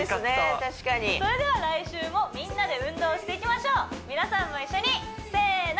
確かにそれでは来週もみんなで運動していきましょう皆さんも一緒にせーの！